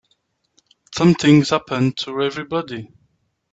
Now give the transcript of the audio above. Something's happened to everybody.